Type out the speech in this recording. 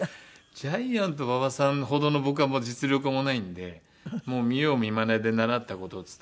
ジャイアント馬場さんほどの僕は実力もないんでもう見よう見まねで習った事を伝えて。